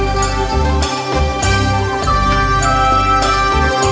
โชว์สี่ภาคจากอัลคาซ่าครับ